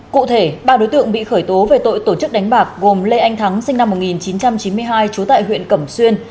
cụ thể ba đối tượng bị khởi tố về tội tổ chức đánh bạc gồm lê anh thắng sinh năm một nghìn chín trăm chín mươi hai trú tại huyện cẩm xuyên